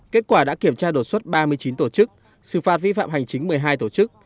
kết quả đã kiểm tra đột xuất ba mươi chín tổ chức xử phạt vi phạm hành chính một mươi hai tổ chức